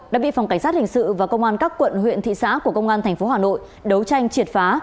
đã bị phòng cảnh sát hình sự và công an các quận huyện thị xã của công an tp hà nội đấu tranh triệt phá